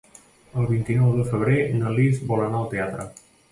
El vint-i-nou de febrer na Lis vol anar al teatre.